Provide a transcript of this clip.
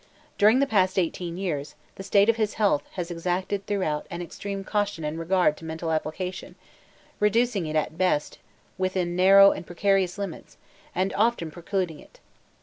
During the past eighteen years, the state of his health has exacted throughout an extreme caution in regard to mental application, reducing it at best within narrow and precarious limits, and often precluding it.